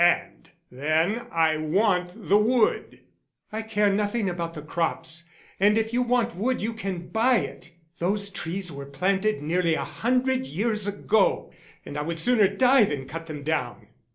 And then I want the wood." "I care nothing about the crops, and if you want wood you can buy it. Those trees were planted nearly a hundred years ago, and I would sooner die than cut them down."